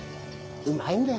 うまいんだよ